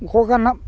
khó khăn lắm